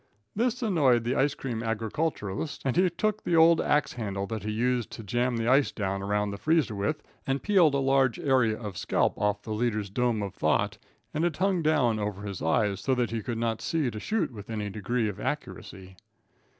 This annoyed the ice cream agriculturist, and he took the old axe handle that he used to jam the ice down around the freezer with, and peeled a large area of scalp off the leader's dome of thought, and it hung down over his eyes, so that he could not see to shoot with any degree of accuracy.